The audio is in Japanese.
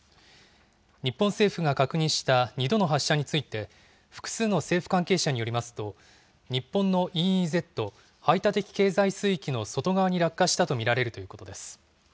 日本政府が確認した２度の発射について、複数の政府関係者によりますと、日本のＥＥＺ・排他的経済水域の外側に落下したと見られるということです。